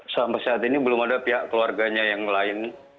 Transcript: sampai saat ini belum ada pihak keluarganya yang lain